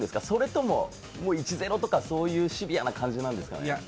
それとも１ー０とかそういうシビアな感じなんですかね。